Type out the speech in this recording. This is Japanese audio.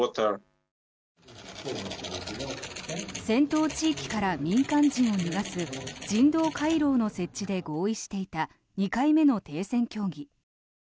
戦闘地域から民間人を逃がす人道回廊の設置で合意していた２回目の停戦協議。